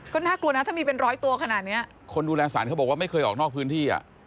ก็น่ากลัวนะถ้ามีเป็นร้อยตัวขนาดเนี้ยคนดูแลสารเขาบอกว่าไม่เคยออกนอกพื้นที่อ่ะ